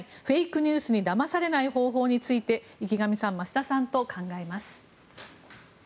ニュースにだまされない方法について池上さん、増田さんと考えます。